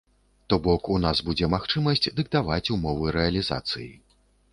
То-бок у нас будзе магчымасць дыктаваць умовы рэалізацыі.